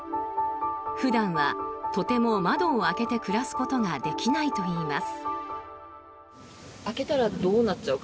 普段はとても窓を開けて暮らすことができないといいます。